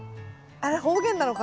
あれ方言なのかな？